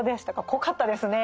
濃かったですね。